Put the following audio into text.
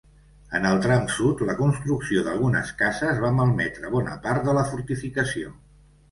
En el tram sud, la construcció d'algunes cases va malmetre bona part de la fortificació.